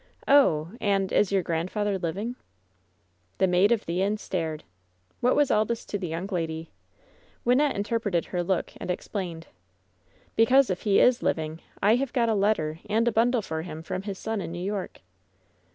"Oh I And — is your grandfather living ?" The "Maid of the Inn" stared. What was all this to the young lady ? Wynnette interpreted her look and explained : "Because, if he is living, I have got a letter and a bundle for him from his son in New York."